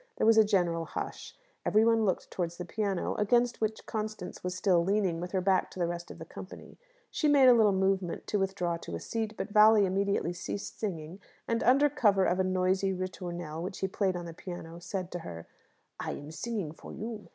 There was a general hush. Every one looked towards the piano, against which Constance was still leaning, with her back to the rest of the company. She made a little movement to withdraw to a seat, but Valli immediately ceased singing, and, under cover of a noisy ritournelle which he played on the piano, said to her, "I am singing for you.